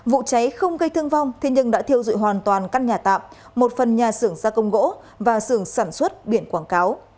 vụ cháy không gây thương vong thế nhưng đã thiêu dụi hoàn toàn căn nhà tạm một phần nhà xưởng gia công gỗ và xưởng sản xuất biển quảng cáo